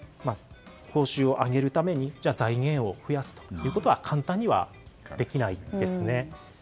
報酬を上げるために財源を増やすということは簡単にはできないですね。